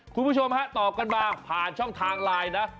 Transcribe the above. คุณผู้ชมฮะตอบกันมาผ่านช่องทางไลน์นะ